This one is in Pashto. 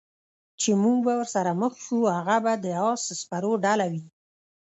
چې موږ به ورسره مخ شو، هغه به د اس سپرو ډله وي.